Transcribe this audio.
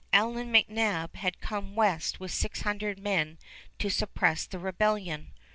Allan McNab had come west with six hundred men to suppress the rebellion.